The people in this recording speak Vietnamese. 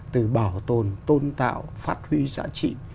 từ bảo tồn tôn tạo phát huy giá trị